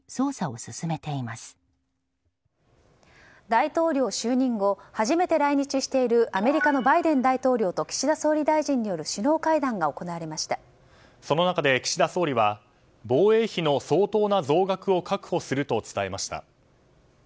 大統領就任後初めて来日しているアメリカのバイデン大統領と岸田総理大臣によるその中で岸田総理は防衛費の相当な増額を確保すると伝えました。